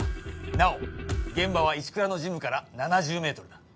なお現場は石倉のジムから７０メートルだ。